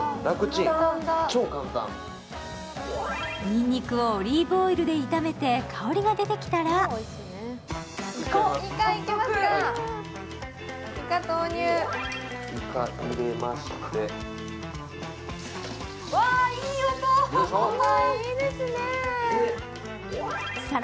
にんにくをオリーブオイルで炒めて香りが出てきたらいか、いきますか！